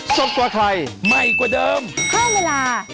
สวัสดีค่ะ